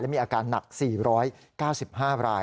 มีอาการหนัก๔๙๕ราย